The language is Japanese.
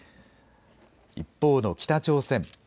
一方の北朝鮮。